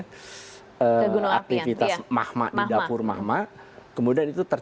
terings indonesia istrinya berhubung dengan pembelajaran double ly